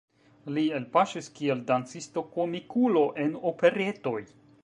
Li elpaŝis kiel dancisto-komikulo en operetoj.